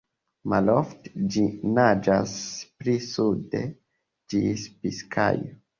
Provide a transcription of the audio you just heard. Malofte ĝi naĝas pli sude, ĝis Biskajo.